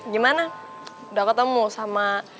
gimana udah ketemu sama